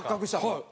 はい。